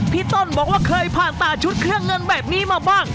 พี่ต้นบอกว่าเคยผ่านตาชุดเครื่องเงินแบบนี้มาบ้าง